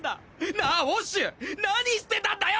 なあウォッシュ何してたんだよ！？